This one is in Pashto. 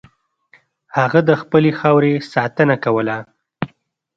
هغه د خپلې خاورې ساتنه کوله.